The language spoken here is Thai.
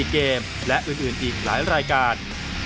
เกมและอื่นอีกหลายรายการ